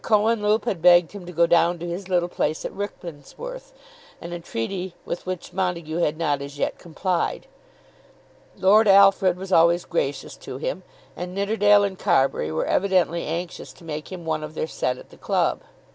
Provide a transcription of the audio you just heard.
Cohenlupe had begged him to go down to his little place at Rickmansworth, an entreaty with which Montague had not as yet complied. Lord Alfred was always gracious to him, and Nidderdale and Carbury were evidently anxious to make him one of their set at the club.